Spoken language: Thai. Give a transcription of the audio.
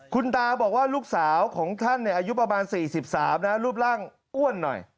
คุณตาบอกว่าลูกสาวของท่านอายุประมาณ๔๓นะรูปร่างอ้วนหน่อย